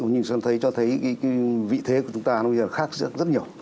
nhưng tôi thấy vị thế của chúng ta bây giờ khác rất nhiều